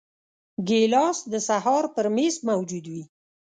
ګیلاس د سهار پر میز موجود وي.